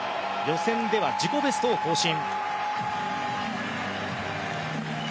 予選では自己ベストを更新。